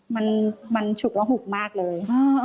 มันฉุกระหุกมากเลย